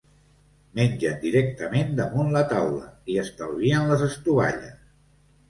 Mengen directament damunt la taula i estalvien les estovalles.